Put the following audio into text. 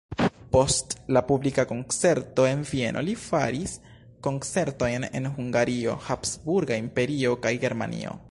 Post publika koncerto en Vieno li faris koncertojn en Hungario, Habsburga Imperio kaj Germanio.